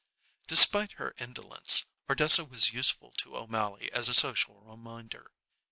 Despite her indolence, Ardessa was useful to O'Mally as a social reminder.